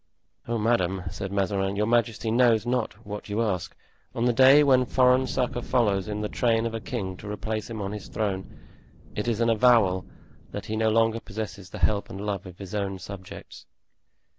"Oh, madame," said Mazarin, "your majesty knows not what you ask. On the day when foreign succor follows in the train of a king to replace him on his throne, it is an avowal that he no longer possesses the help and love of his own subjects."